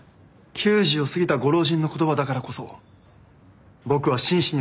９０を過ぎたご老人の言葉だからこそ僕は真摯に受け止めました。